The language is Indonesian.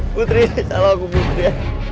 putri ini salah aku putri